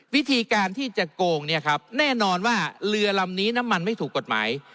วิธีการที่จะโกงเนี่ยครับแน่นอนว่าเรือลำนี้น้ำมันไม่ถูกกฎหมาย